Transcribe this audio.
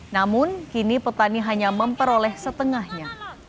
namun kini petani hanya memperoleh setengahnya